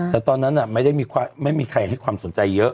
แต่ตอนนั้นไม่มีใครให้ความสนใจเยอะ